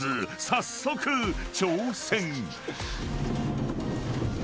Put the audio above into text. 早速挑戦］